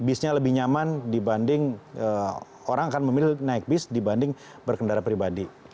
bisnya lebih nyaman dibanding orang akan memilih naik bis dibanding berkendara pribadi